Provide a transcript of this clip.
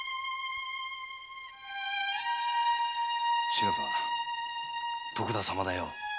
志乃さん徳田様だよ。